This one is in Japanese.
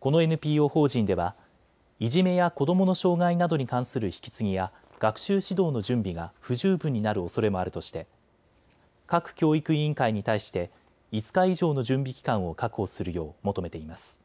このＮＰＯ法人ではいじめや子どもの障害などに関する引き継ぎや学習指導の準備が不十分になるおそれもあるとして各教育委員会に対して５日以上の準備期間を確保するよう求めています。